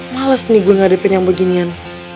males nih gue ngadepin yang beginian